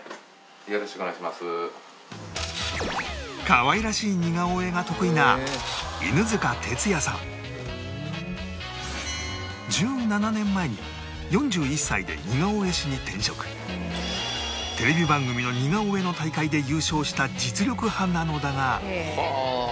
可愛らしい似顔絵が得意な１７年前にテレビ番組の似顔絵の大会で優勝した実力派なのだが